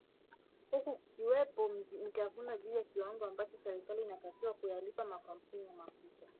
huku kukiwepo mivutano juu ya kiwango ambacho serikali inatakiwa kuyalipa makampuni ya mafuta